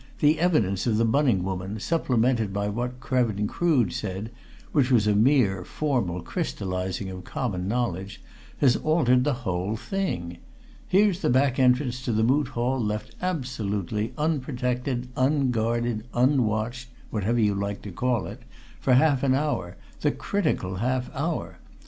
"The evidence of the Bunning woman, supplemented by what Krevin Crood said which was a mere, formal, crystallizing of common knowledge has altered the whole thing. Here's the back entrance to the Moot Hall left absolutely unprotected, unguarded, unwatched whatever you like to call it for half an hour, the critical half hour.